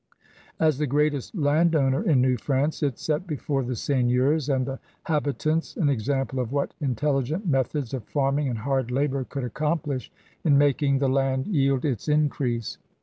As the greatest landowner in New France, it set before the seigneurs and the habitants an example of what intelligent methods of farming and hard labor could accomplish in making the land yield its increase.